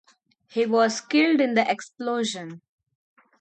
He was killed in the explosion.